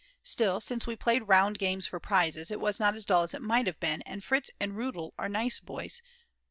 Still, since we played round games for prizes, it was not as dull as it might have been, and Fritz and Rudl are quite nice boys.